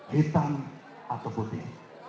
hitam atau putih